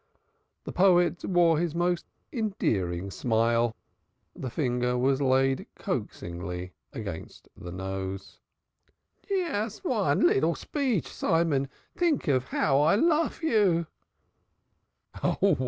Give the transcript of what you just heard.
The poet wore his most endearing smile, the finger was laid coaxingly against the nose. "Just von leedle speech, Simon. Tink how I lof you."